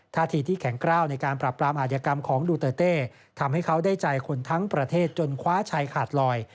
ท่าทีที่แข็งกล้าวในการปรับปรามอาธิกรรมของดูเตอร์เต้ทำให้เขาได้ใจคนทั้งประเทศจนคว้าชัยขาดลอย